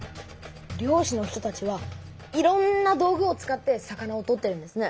漁師の人たちはいろんな道具を使って魚を取ってるんですね。